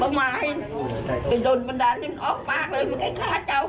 มาให้โดนบันดาลนี้มันออกปากเลยมันก็จะฆ่าเจ้ากันมา